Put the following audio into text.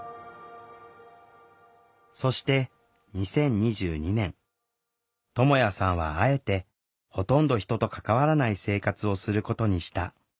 そして２０２２年。ともやさんはあえてほとんど人と関わらない生活をすることにした。